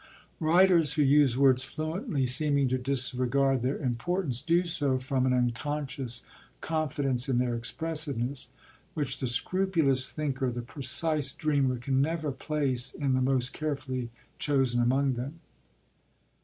Writers who use words fluently, seeming to disregard their importance, do so from an unconscious confidence in their expressiveness, which the scrupulous thinker, the precise dreamer, can never place in the most carefully chosen among them.